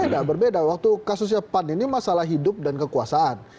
tidak berbeda waktu kasusnya pan ini masalah hidup dan kekuasaan